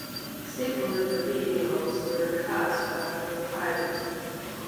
Several of the leading roles were recast after the pilot.